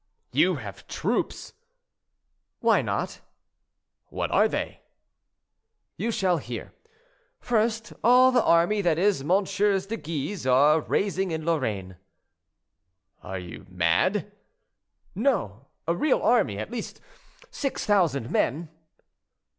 "You have troops?" "Why not?" "What are they?" "You shall hear. First, all the army that MM. de Guise are raising in Lorraine." "Are you mad?" "No; a real army—at least six thousand men."